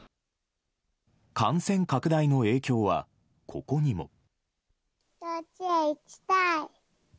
感染拡大の影響はここにも。